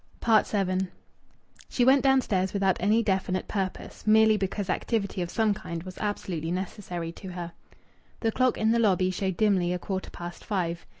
VII She went downstairs without any definite purpose merely because activity of some kind was absolutely necessary to her. The clock in the lobby showed dimly a quarter past five.